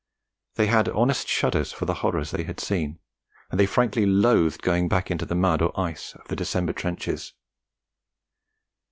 They had honest shudders for the horrors they had seen, and they frankly loathed going back into the mud or ice of the December trenches.